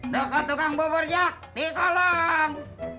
toko tukang boborjak di kolong